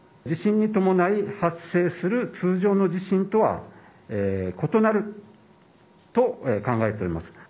地震に伴い発生する通常の地震とは異なると考えています。